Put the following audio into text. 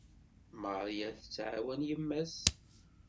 Maria tettɛawan yemma-s.